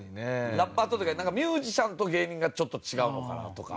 ラッパーとというかなんかミュージシャンと芸人がちょっと違うのかなとか。